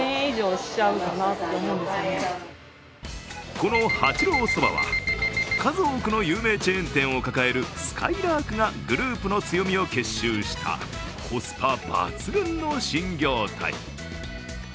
この八郎そばは数多くの有名チェーン店を抱えるすかいらーくがグループの強みを結集したコスパ抜群の新業態。